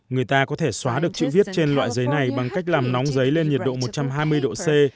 người ta có thể xóa được chữ viết trên loại giấy này bằng cách làm nóng giấy lên nhiệt độ một trăm hai mươi độ c